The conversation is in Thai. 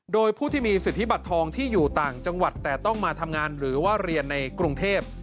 โดยผู้ที่มีสิทธิบัตรทองที่อยู่ต่างจังหวัดแต่ต้องมาทำงานหรือว่าเรียนในกรุงเทพ